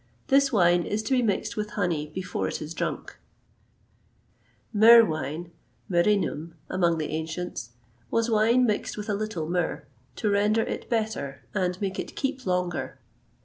This wine is to be mixed with honey before it is drunk.[XXVIII 130] Myrrh wine Myrrhinum, among the ancients was wine mixed with a little myrrh, to render it better and make it keep longer.